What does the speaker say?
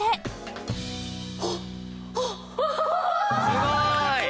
すごーい！